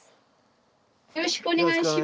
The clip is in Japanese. よろしくお願いします。